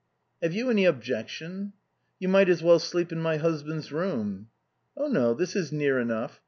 "Have you any objection?" "You might as well sleep in my husband's room." "Oh no, this is near enough.